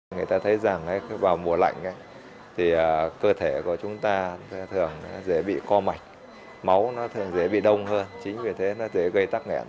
người ta thấy rằng vào mùa lạnh thì cơ thể của chúng ta thường dễ bị co mạch máu nó thường dễ bị đông hơn chính vì thế nó dễ gây tắc nghẹn